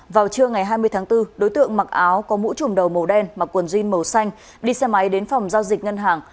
vào trưa ngày hai mươi tháng bốn đối tượng mặc áo có mũ trùm đầu màu đen mặc quần jem màu xanh đi xe máy đến phòng giao dịch ngân hàng